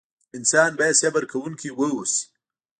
انسان بايد صبر کوونکی واوسئ.